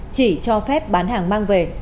chỉ cho phép bán hàng mang về